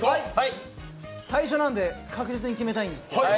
最初なんで確実に決めたいです。